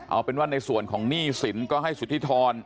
เอาเป็นว่าในส่วนของหนี้สินก็ให้สุธิธร